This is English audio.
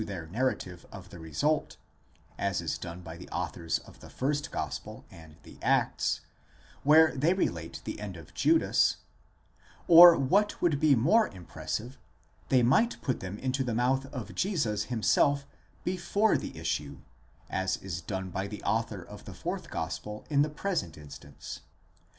their narrative of the result, as is done by the authors of the first gospel and the Acts, where they relate the end of Judas: or, what would be more im pressive, they might put them into the mouth of Jesus himself before the issue, as is done by the author of, the fourth gospel in the present instance.